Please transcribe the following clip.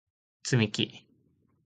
つみき